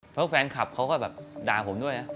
พวกแฟนคลับเขาก็ด่าผมด้วยนะ